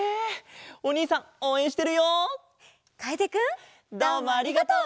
どうもありがとう！